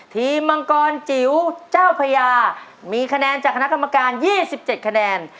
มังกรจิ๋วเจ้าพญามีคะแนนจากคณะกรรมการ๒๗คะแนน